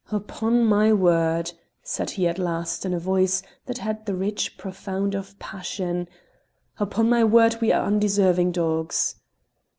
"Upon my word," said he at last in a voice that had the rich profound of passion "upon my word, we are the undeserving dogs!"